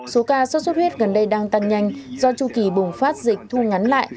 số ca sốt xuất huyết gần đây đang tăng nhanh do chu kỳ bùng phát dịch thu ngắn lại